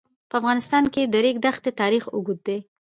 په افغانستان کې د د ریګ دښتې تاریخ اوږد دی.